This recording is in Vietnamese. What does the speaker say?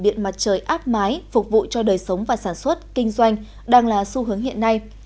điện mặt trời áp mái phục vụ cho đời sống và sản xuất kinh doanh đang là xu hướng hiện nay